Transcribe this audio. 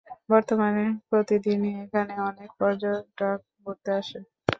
বর্তমানে প্রতিদিনই এখানে অনেক পর্যটক ঘুরতে আসেন।